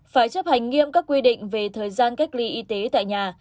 phải chấp hành nghiêm các quy định về thời gian cách ly y tế tại nhà